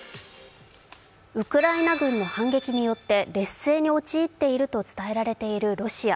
ウクライナ軍の反撃によって劣勢に陥っていると伝えられているロシア。